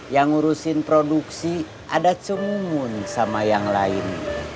yang ngurusin produksi ada cemungun sama yang lain